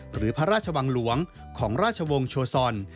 หรือพระราชวังหลวงของราชวงศ์โชซอน